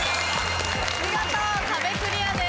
見事壁クリアです。